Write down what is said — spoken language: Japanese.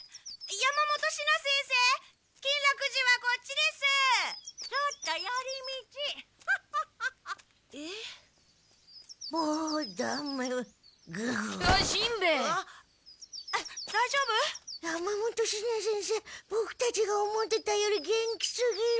山本シナ先生ボクたちが思ってたより元気すぎる。